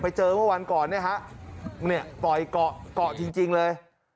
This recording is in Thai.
เจอเมื่อวันก่อนเนี่ยฮะเนี่ยต่อยเกาะเกาะจริงเลย